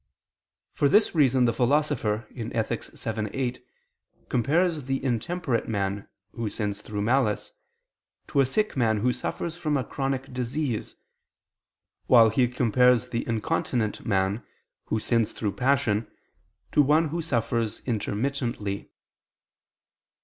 For this reason the Philosopher (Ethic. vii, 8) compares the intemperate man, who sins through malice, to a sick man who suffers from a chronic disease, while he compares the incontinent man, who sins through passion, to one who suffers intermittently.